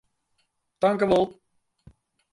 Tankjewol.